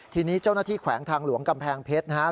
ทีนี้เจ้าหน้าที่แขวงทางหลวงกำแพงเพชรนะครับ